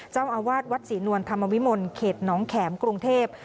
เจ้าอาวาสวัดศรีนวลธรรมวิมลเขตน้องแข็มกรุงเทพ